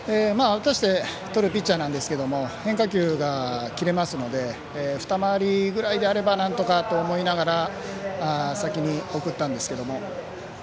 打たせてとるピッチャーなんですが変化球が切れますので二回りぐらいであればなんとかと思いながら先に送ったんですが。